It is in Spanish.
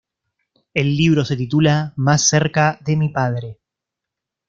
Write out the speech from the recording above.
El libro se titula "Más cerca de mi padre".